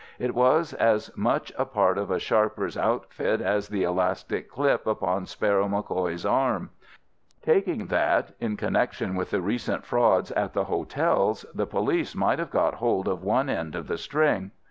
It was as much a part of a sharper's outfit as the elastic clip upon Sparrow MacCoy's arm. Taking that, in connection with the recent frauds at the hotels, the police might have got hold of one end of the string.